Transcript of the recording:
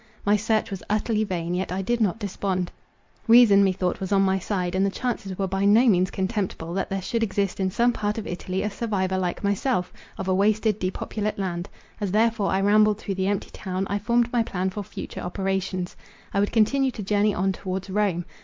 My search was utterly vain, yet I did not despond. Reason methought was on my side; and the chances were by no means contemptible, that there should exist in some part of Italy a survivor like myself—of a wasted, depopulate land. As therefore I rambled through the empty town, I formed my plan for future operations. I would continue to journey on towards Rome.